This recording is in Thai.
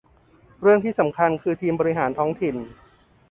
เรื่องที่สำคัญคือทีมบริหารท้องถิ่น